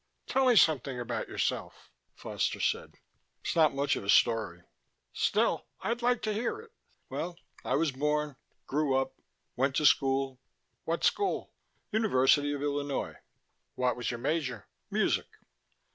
"Tell me something about yourself," Foster said. "It's not much of a story." "Still, I'd like to hear it." "Well, I was born, grew up, went to school " "What school?" "University of Illinois." "What was your major?" "Music."